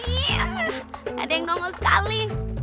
gak ada yang nongol sekali